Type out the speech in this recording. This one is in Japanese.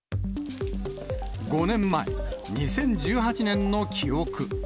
５年前、２０１８年の記憶。